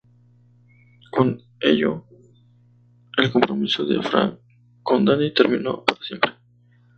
Con ello, el compromiso de Fran con Danny terminó para siempre.